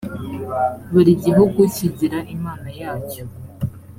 buri gihugu kigira imana yacyo